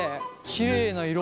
きれいな色。